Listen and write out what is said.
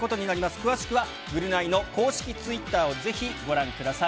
詳しくは、ぐるナイの公式ツイッターをぜひご覧ください。